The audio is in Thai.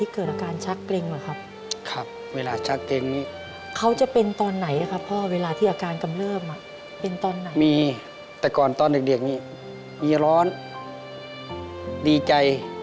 เขาหยิบยืมกันอีกครับ